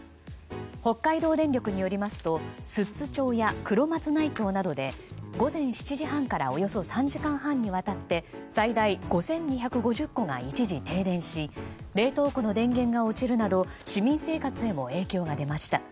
北海道電力によりますと寿都町や黒松内町などで午前７時半からおよそ３時間半にわたって最大５２５０戸が一時停電し冷凍庫の電源が落ちるなど市民生活へも影響が出ました。